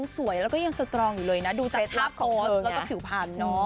นี่หมื่นปีหมื่นปีเลย